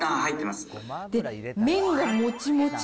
で、麺がもちもち。